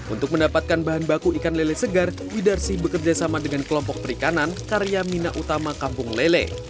untuk mendapatkan bahan baku ikan lele segar widarsi bekerjasama dengan kelompok perikanan karya mina utama kampung lele